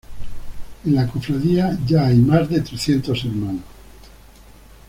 En la cofradía ya hay más de trescientos hermanos.